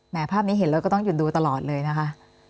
ภาพนี้เห็นแล้วก็ต้องหยุดดูตลอดเลยนะคะ